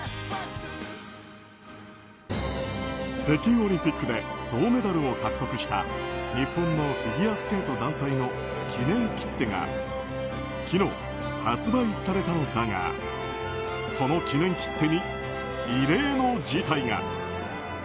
北京オリンピックで銅メダルを獲得した日本のフィギュアスケート団体の記念切手が昨日発売されたのだがその記念切手に異例の事態が。